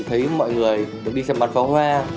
thấy mọi người được đi xem mặt pháo hoa